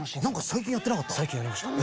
最近やりました。